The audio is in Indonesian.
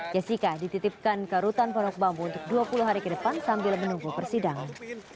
jessica dititipkan ke rutan pondok bambu untuk dua puluh hari ke depan sambil menunggu persidangan